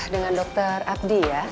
dengan dokter abdi ya